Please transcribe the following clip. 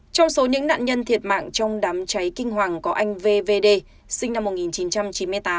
trong số những nạn nhân thiệt mạng trong đám cháy kinh hoàng có anh vvd sinh năm một nghìn chín trăm chín mươi tám